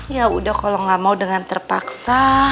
ya udah kalau gak mau dengan terpaksa